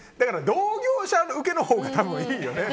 同業者ウケのほうがいいよね。